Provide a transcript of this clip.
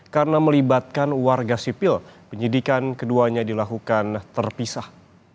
karena melibatkan warga sipil penyidikan keduanya dilakukan terpisah